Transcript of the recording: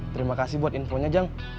terima kasih buat infonya jang